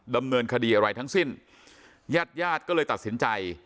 ดำเนินคดีอะไรทั้งสิ้นญาติญาติก็เลยตัดสินใจ